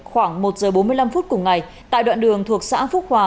khoảng một giờ bốn mươi năm phút cùng ngày tại đoạn đường thuộc xã phúc hòa